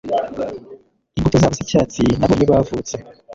imbuto zabo z'icyatsi, nabonye bavutse